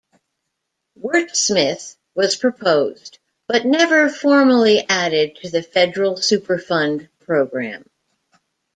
Wurtsmith was proposed but never formally added to the federal Superfund program.